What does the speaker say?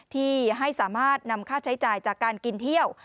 ที่ให้สามารถนำค่าใช้จ่ายจากการกินเที่ยว